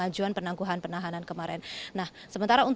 ahli bahasa ahli dari kementerian